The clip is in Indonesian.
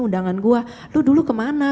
undangan gue lu dulu kemana